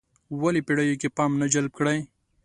ولې پېړیو کې پام نه جلب کړی.